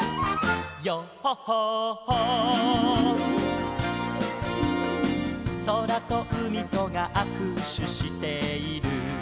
「ヨッホッホッホー」「そらとうみとがあくしゅしている」